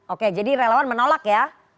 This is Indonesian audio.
oke jadi relawan menolak ya